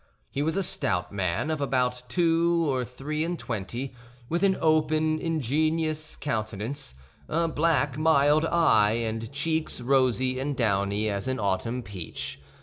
He was a stout man, of about two or three and twenty, with an open, ingenuous countenance, a black, mild eye, and cheeks rosy and downy as an autumn peach.